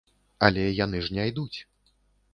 Але яны ж не ідуць.